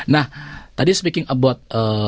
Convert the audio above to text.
nah tadi speaking about